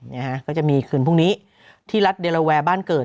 นะฮะก็จะมีคืนพรุ่งนี้ที่รัฐเดลลาแวร์บ้านเกิด